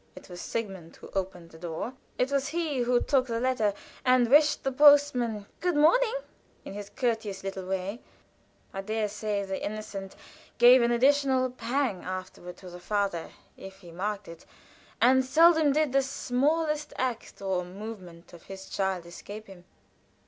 It was Sigmund who opened the door; it was he who took the letter, and wished the postman "good morning" in his courteous little way. I dare say that the incident gave an additional pang afterward to the father, if he marked it, and seldom did the smallest act or movement of his child escape him.